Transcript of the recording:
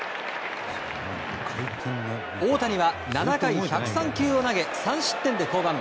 大谷は７回１０３球を投げ３失点で降板。